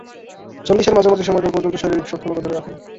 চল্লিশের মাঝামাঝি সময়কাল পর্যন্ত শারীরিক সক্ষমতা ধরে রাখেন।